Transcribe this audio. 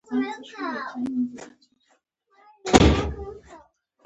بېنډۍ د انساني بدن د دفاعي نظام ملاتړې ده